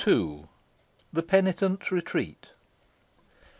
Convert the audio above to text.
THE PENITENT'S RETREAT.